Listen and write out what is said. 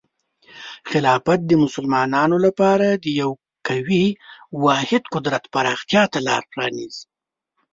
خلافت د مسلمانانو لپاره د یو قوي واحد قدرت پراختیا ته لاره پرانیزي.